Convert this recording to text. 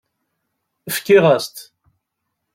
Fkiɣ-as-t.